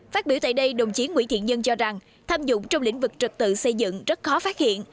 phát biểu tại đây đồng chí nguyễn thiện nhân cho rằng tham dụng trong lĩnh vực trật tự xây dựng rất khó phát hiện